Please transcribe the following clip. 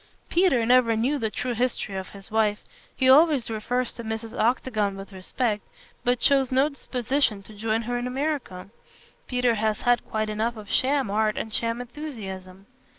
Peter never knew the true history of his wife. He always refers to Mrs. Octagon with respect, but shows no disposition to join her in America. Peter has had quite enough of sham art and sham enthusiasm.